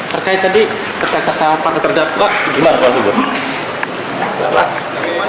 terkait tadi kata kata para terdakwa gimana pak sugeng